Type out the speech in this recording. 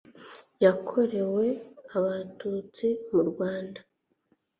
yakorewe abatutsi mu rwanda